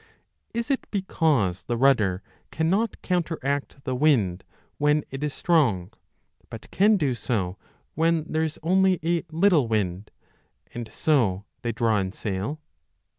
Is it because the rudder cannot counteract the wind when it is strong, but 10 can do so when there is only a little wind, and so 2 they draw in sail